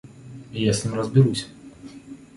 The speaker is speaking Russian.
Я с ним разберусь.